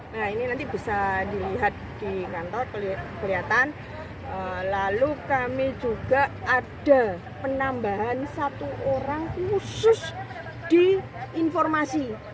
nah ini nanti bisa dilihat di kantor kelihatan lalu kami juga ada penambahan satu orang khusus di informasi